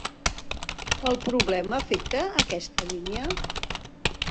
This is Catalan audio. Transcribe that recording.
El problema afecta a aquesta línia?